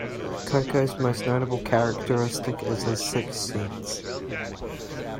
Koko's most notable characteristic is his sixth sense.